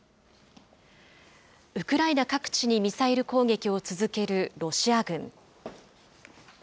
ウクライナ各地にミサイル攻撃を続けるロシア軍。